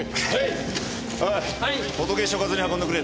おい仏所轄に運んでくれ。